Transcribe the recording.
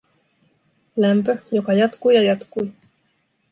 Lämpö, joka jatkui ja jatkui.